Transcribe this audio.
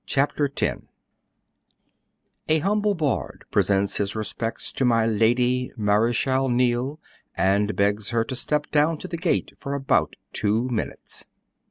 Chapter X "A humble bard presents his respects to my Lady Marechal Niel, and begs her to step down to the gate for about two minutes."